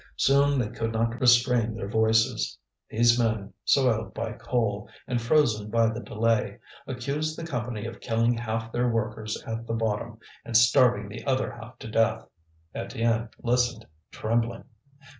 Soon they could not restrain their voices; these men, soiled by coal, and frozen by the delay, accused the Company of killing half their workers at the bottom, and starving the other half to death. Étienne listened, trembling.